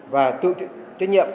và tự trách nhiệm